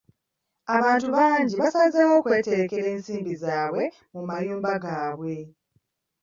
Abantu bangi basazeewo okweterekera ensimbi zaabwe mu mayumba gaabwe.